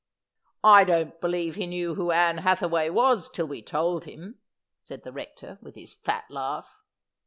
' I don't believe he knew who Ann Hathaway was till we told him,' said the Rector, with his fat laugh.